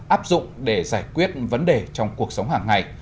áp dụng để giải quyết vấn đề trong cuộc sống hàng ngày